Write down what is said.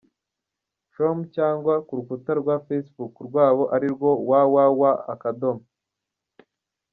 com cyangwa ku rukuta rwa Facebook rwabo arirwo www.